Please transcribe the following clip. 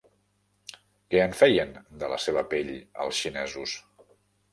Què en feien de la seva pell els xinesos?